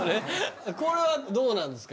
これはどうなんですか？